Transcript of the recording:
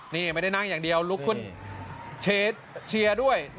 นี่ไม่ได้นั่งอย่างเดียวลุกขึ้นเชฟเชียร์ด้วย